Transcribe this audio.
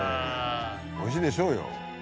おいしいでしょうよ。